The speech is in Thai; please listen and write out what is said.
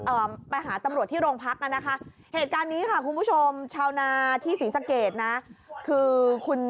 โอ๋อหรอจัดการไปหมดเลย